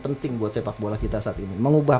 penting buat sepak bola kita saat ini mengubah